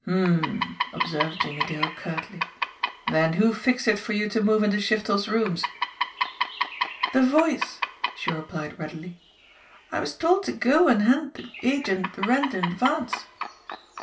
"H'm !" observed Jimmie Dale curtly. "Then who fixed it for you to move into Shiftel's rooms?" "The Voice," she replied readily. "I was told to go an* hand de agent de rent in advance."